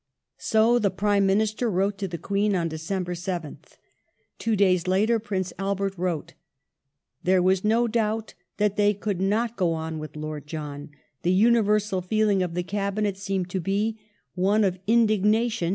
So the Prime Minister wrote to the Queen on December 7th. Two days later Prince Albert wrote: "There was no doubt that they could not go on with Lord John. The universal feeling of the Cabinet seemed to be one of indignation